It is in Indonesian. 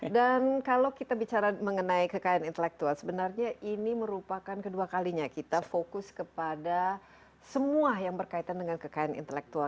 kalau kita bicara mengenai kekayaan intelektual sebenarnya ini merupakan kedua kalinya kita fokus kepada semua yang berkaitan dengan kekayaan intelektual